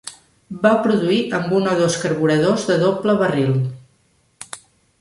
Va produir amb un o dos carburadors de doble barril.